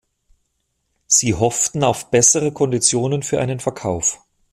Sie hofften auf bessere Konditionen für einen Verkauf.